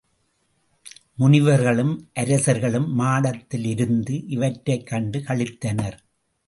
முனிவர்களும் அரசர் களும் மாடத்தில் இருந்து இவற்றைக் கண்டு களித்தனர்.